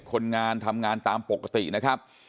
คนงานทำงานตามปกตินะครับ